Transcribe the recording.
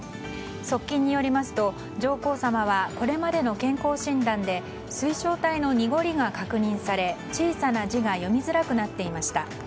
側近によりますと上皇さまはこれまでの健康診断で水晶体の濁りが確認され小さな字が読みづらくなっていました。